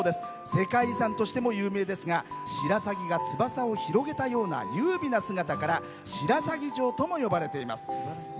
世界遺産としても有名ですが白鷺が翼を広げたような優美な姿から白鷺城とも呼ばれています。